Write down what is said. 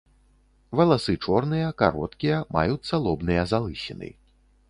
Валасы чорныя, кароткія, маюцца лобныя залысіны.